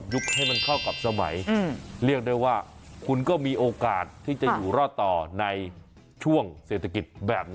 ให้มันเข้ากับสมัยเรียกได้ว่าคุณก็มีโอกาสที่จะอยู่รอดต่อในช่วงเศรษฐกิจแบบนี้